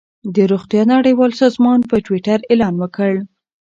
د روغتیا نړیوال سازمان په ټویټر اعلان وکړ.